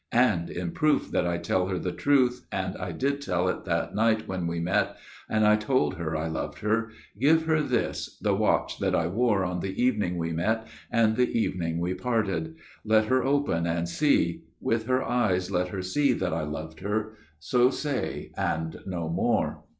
And in proof that I tell her the truth, and did tell it The night when we met, and I told her I loved her, Give her this, the watch that I wore on the evening We met, and the evening we parted. Let her open And see. With her eyes let her see that I loved her. So say and no more."